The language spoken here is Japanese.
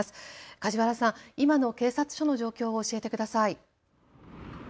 梶原さん、今の警察署の状況を教えてください。